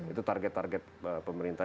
itu target target pemerintah